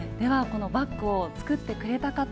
このバッグを作ってくれた方